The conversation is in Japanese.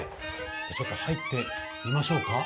ちょっと入ってみましょうか。